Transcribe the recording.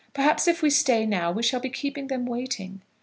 "Perhaps if we stay now we shall be keeping them waiting."